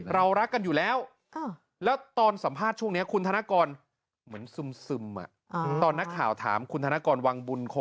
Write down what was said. เรารักกันอยู่แล้วท่านก็ไลน์มาคุยกัน